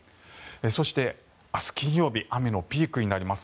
そして、明日金曜日雨のピークになります。